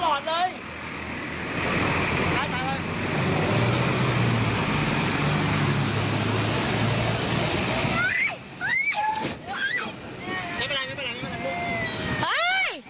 ต้องขับสวิสวะตลอดเลย